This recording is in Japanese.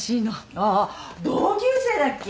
ああ同級生だっけ？